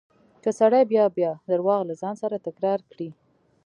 که سړی بيا بيا درواغ له ځان سره تکرار کړي.